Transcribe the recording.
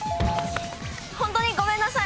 ホントにごめんなさい。